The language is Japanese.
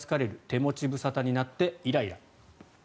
手持ち無沙汰になってイライラ。